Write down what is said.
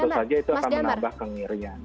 tentu saja itu akan menambah kengirian